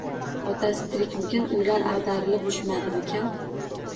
Otasi tirikmikin, uylari ag‘darilib tushmadimikan?